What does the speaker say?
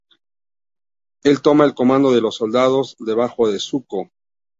Él toma el comando de los soldados debajo de Zuko.